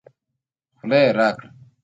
خوله يې راګړه